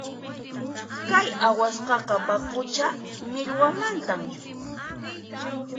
Kay awasqaqa paqucha millwamantam.